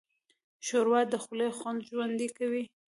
ښوروا د خولې خوند ژوندی کوي.